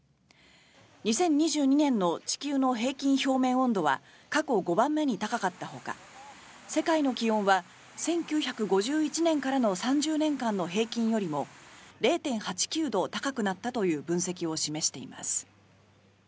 ２０２２年の地球の平均表面温度は過去５番目に高かったほか世界の気温は１９５１年からの３０年間の平均よりも０．８９度高くなったという分析を示しています。